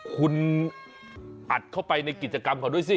คุณอัดเข้าไปในกิจกรรมเขาด้วยสิ